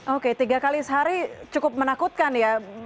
oke tiga kali sehari cukup menakutkan ya